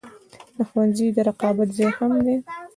ښوونځی د رقابت ځای هم دی